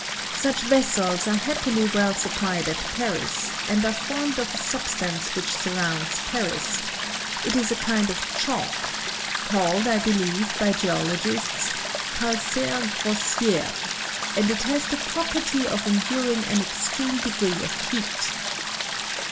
Such vessels are happily well supplied at Paris, and are formed of a substance which surrounds Paris : it is a kind of chalk (called, I believe, by geologists, calcaire grossih^), and it has the property of enduring an extreme degree of heat.